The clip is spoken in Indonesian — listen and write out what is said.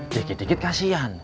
dikit dikit kasihan